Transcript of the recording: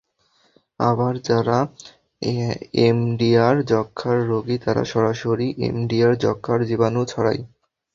আবার যারা এমডিআর যক্ষ্মার রোগী, তারা সরাসরি এমডিআর যক্ষ্মার জীবাণু ছড়ায়।